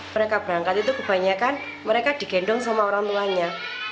mereka berangkat itu kebanyakan mereka digendong sama orang tuanya